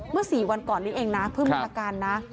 เมื่อ๔วันก่อนนี้เองนะเพื่อมีประการนะ